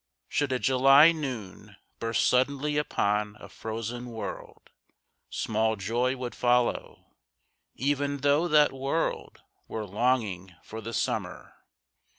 Should a July noon Burst suddenly upon a frozen world Small joy would follow, even though that world Were longing for the Summer.